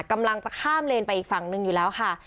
กำลังจะข้ามเลนไปอีกฝั่งหนึ่งอยู่แล้วค่ะ